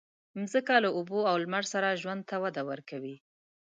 مځکه له اوبو او لمر سره ژوند ته وده ورکوي.